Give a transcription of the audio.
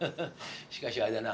しかしあれだな。